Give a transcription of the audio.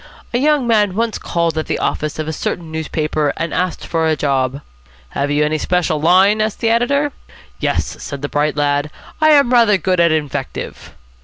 A young man once called at the office of a certain newspaper, and asked for a job. 'Have you any special line?' asked the editor. 'Yes,' said the bright lad, 'I am rather good at invective.'